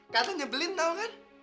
katanya nyebelin tau kan